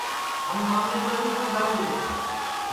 ہم مامے ٻٹؔی کر جاؤں گے